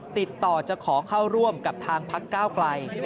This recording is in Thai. ติดต่อจะขอเข้าร่วมกับทางพักก้าวไกล